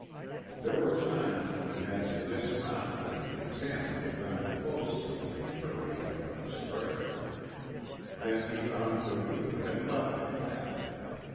There were times when he had to dismount and examine the ground closely to make sure he hadn't gone astray. Then he found that Yuma had left the Gap.